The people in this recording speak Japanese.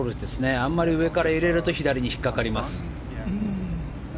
あんまり上から入れると左に引っ掛かります。